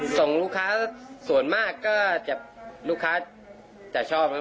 ส่งลูกค้าส่วนมากว่าจะชอบ